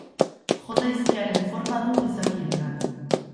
Jota hizkiaren forma du gizakiengan.